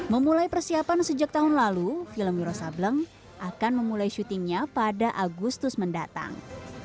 memulai persiapan sejak tahun lalu film wiro sableng akan memulai syutingnya pada agustus mendatang